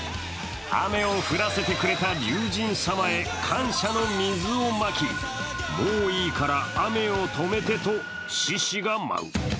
雨を降らせてくれた龍神様へ感謝の水をまき、もういいから雨をとめてと、獅子が舞う。